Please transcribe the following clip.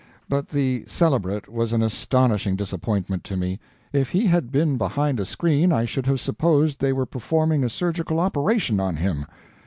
But the "celebrate" was an astonishing disappointment to me. If he had been behind a screen I should have supposed they were performing a surgical operation on him.